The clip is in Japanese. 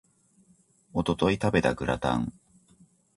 一昨日食べたグラタン